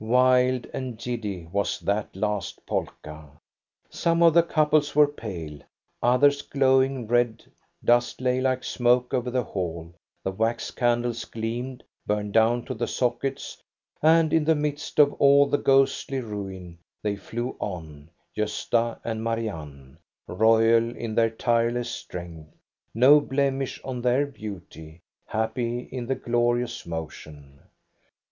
Wild and giddy was that last polka. Some of the couples were pale, others glowing red, dust lay like smoke over the hall, the wax candles gleamed, burned down to the sockets, and in the midst of all the ghostly ruin, they flew on, Gosta and Marianne, royal in their tireless strength, no blemish on their beauty, happy in the glorious motion.